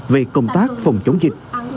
về công tác phòng chống dịch